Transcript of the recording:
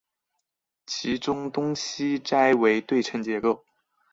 其中东西斋为对称结构。